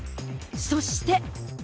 そして。